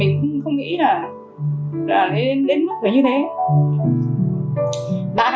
mình cũng không nghĩ là lên mất người như thế